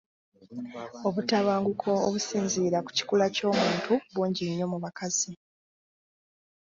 Obutabanguko obusinziira ku kikula ky'omuntu bungi nnyo mu bakazi.